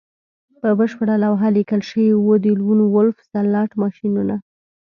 په بشپړه لوحه لیکل شوي وو د لون وولف سلاټ ماشینونه